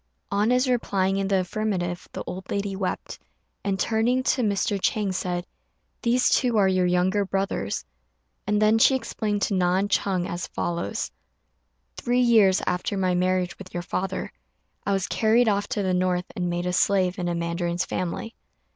On his replying in the affirmative, the old lady wept, and, turning to Mr. Chang, said, "These two are your younger brothers." And then she explained to Na and Ch'êng as follows: "Three years after my marriage with your father, I was carried off to the north and made a slave in a mandarin's family.